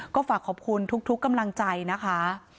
ก็ฝากขอบคุณทุกกำลังใจนะคะ